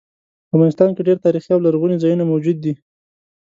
افغانستان کې ډیر تاریخي او لرغوني ځایونه موجود دي